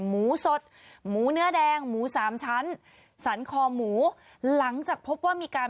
หมูสดหมูเนื้อแดงหมูสามชั้นสันคอหมูหลังจากพบว่ามีการ